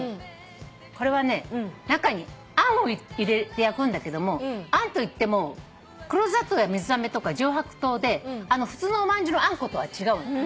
これはね中にあんを入れて焼くんだけどもあんといっても黒砂糖や水あめとか上白糖で普通のおまんじゅうのあんことは違うの。